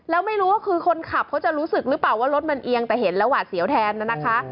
แล้วไม่รู้ว่าคือคนขับเขาจะรู้สึกหรือเปล่าว่ารถมันเอียงแต่เห็นแล้วหวาดเสียวแทนนะคะ